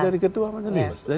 jadi ketua mpa